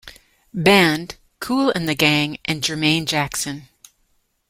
Band, Kool & The Gang, and Jermaine Jackson.